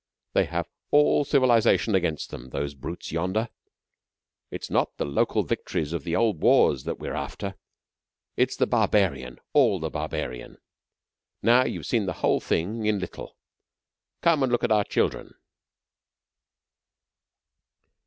They have all civilization against them those brutes yonder. It's not the local victories of the old wars that we're after. It's the barbarian all the barbarian. Now, you've seen the whole thing in little. Come and look at our children."